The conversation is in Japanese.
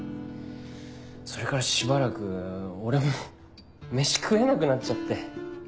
それからしばらく俺もメシ食えなくなっちゃって。